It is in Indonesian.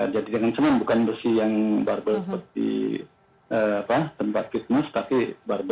jadi dengan semen bukan bersih yang barbel seperti tempat fitmus tapi barbel